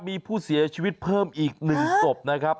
มีผู้เสียชีวิตเพิ่มอีก๑ศพนะครับ